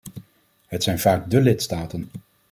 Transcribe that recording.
Het zijn vaak de lidstaten.